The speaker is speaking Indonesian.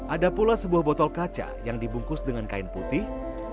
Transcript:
ada pula sebuah botol kaca yang dibungkus dengan kain putih